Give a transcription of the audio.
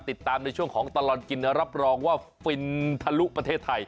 ติดตามในช่วงของตลอดกินรับรองว่าฟินทะลุประเทศไทย